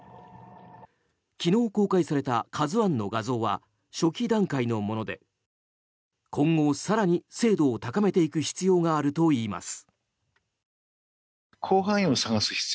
昨日公開された「ＫＡＺＵ１」の画像は初期段階のもので今後、更に精度を高めていく必要があるといいます。